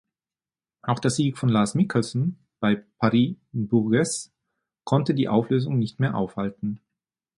Auch der Sieg von Lars Michaelsen bei Paris–Bourges konnte die Auflösung nicht mehr aufhalten.